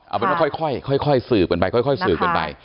เอาเป็นว่าค่อยสืบกันไปค่อยสืบกันไป